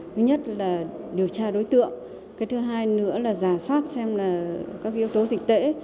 thứ nhất là điều tra đối tượng thứ hai nữa là giả soát xem các yếu tố dịch tễ